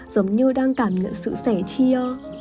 giống như đang cảm nhận sự sẻ chia